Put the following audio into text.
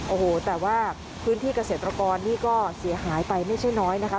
โอ้โหแต่ว่าพื้นที่เกษตรกรนี่ก็เสียหายไปไม่ใช่น้อยนะคะ